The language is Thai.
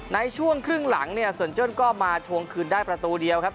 ในช่วงครึ่งหลังเนี่ยเซินเจิ้นก็มาทวงคืนได้ประตูเดียวครับ